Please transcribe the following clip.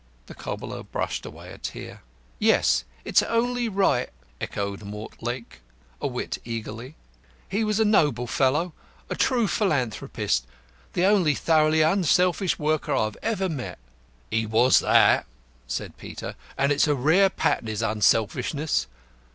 The cobbler brushed away a tear. "Yes, it's only right," echoed Mortlake, a whit eagerly. "He was a noble fellow, a true philanthropist the only thoroughly unselfish worker I've ever met." "He was that," said Peter; "and it's a rare pattern is unselfishness.